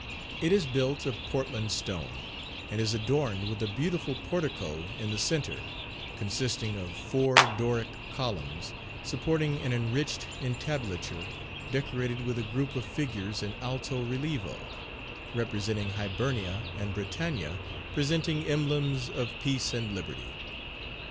It is built of Portland stone, and is adorned with a beautiful portico in the centre, consisting of four Doric columns supporting an enriched entablature, decorated with a group of figures in alto relievo, representing Hibernia and Britannia presenting emblems of peace and liberty.